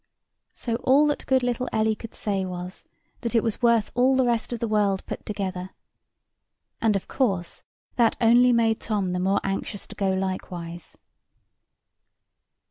So all that good little Ellie could say was, that it was worth all the rest of the world put together. And of course that only made Tom the more anxious to go likewise.